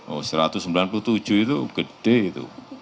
oh seratus sembilan puluh tujuh itu gede itu